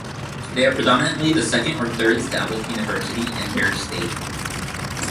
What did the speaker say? They are predominantly the second or third established university in their state.